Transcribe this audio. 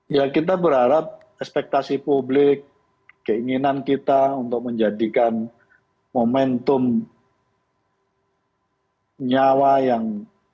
ya kita berharap ekspektasi publik keinginan kita untuk menjadikan momentum nyawa yang